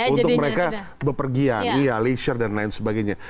untuk mereka berpergian leisure dan lain sebagainya